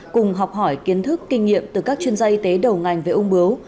cùng học hỏi kiến thức kinh nghiệm từ các chuyên gia y tế đầu ngành về ung bướu